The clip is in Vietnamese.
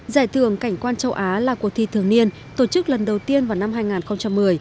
giải thưởng cảnh quan châu á là cuộc thi thường niên tổ chức lần đầu tiên vào năm hai nghìn một mươi